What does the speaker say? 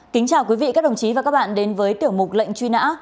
kính chào quý vị các đồng chí và các bạn đến với tiểu mục lệnh truy nã